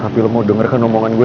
tapi lo mau denger kan omongan gue